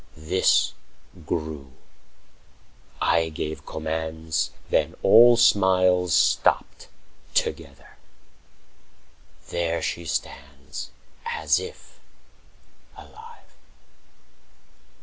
This grew; I gave commands;45 Then all smiles stopped together. There she stands As if alive.